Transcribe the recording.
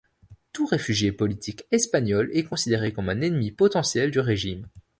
Tout réfugié politique espagnol est considéré comme un ennemi potentiel du régime.